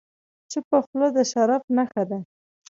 چپه خوله، د شرف نښه ده.